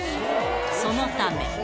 そのため。